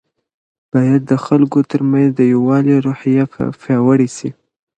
باید د خلګو ترمنځ د یووالي روحیه پیاوړې سي.